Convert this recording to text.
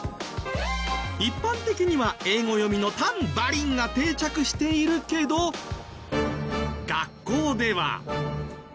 一般的には英語読みのタンバリンが定着しているけど学校では。